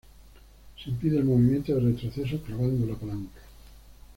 Se impide el movimiento de retroceso clavando la palanca.